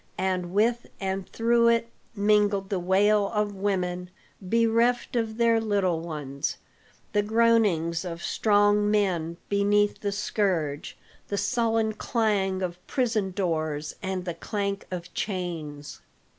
And with and through it, mingled the wail of women bereft of their little ones, the groanings of strong men beneath the scourge, the sullen clang of prison doors, and the clank of chains.